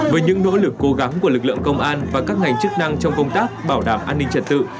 với những nỗ lực cố gắng của lực lượng công an và các ngành chức năng trong công tác bảo đảm an ninh trật tự